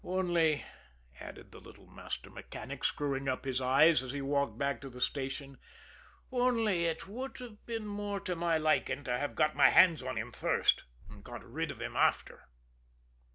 Only," added the little master mechanic, screwing up his eyes, as he walked back to the station, "only it would have been more to my liking to have got my hands on him first and got rid of him after!"